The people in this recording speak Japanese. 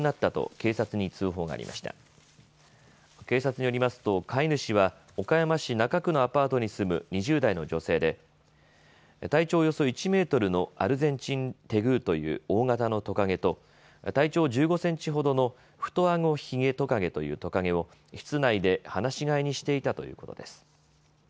警察によりますと飼い主は岡山市中区のアパートに住む２０代の女性で体長およそ１メートルのアルゼンチンテグーという大型のトカゲと体長１５センチほどのフトアゴヒゲトカゲというトカゲを室内で放し飼いにしていたということです。